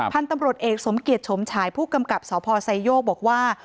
พันธุ์ตำรวจเอกสมเกียจฉมฉายผู้กำกับสพไซโยกบอกว่า